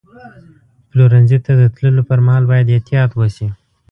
پلورنځي ته د تللو پر مهال باید احتیاط وشي.